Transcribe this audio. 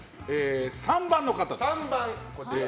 ３番の方で。